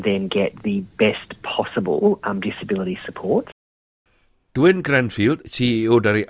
mengatakan perubahan ini akan membantu mempertahankan dan mendidik para pekerja pendukung